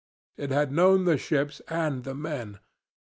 It had known the ships and the men.